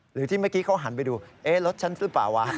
หรือที่เมื่อกี้เขาหันไปดูเอ๊ะรถฉันหรือเปล่าวะ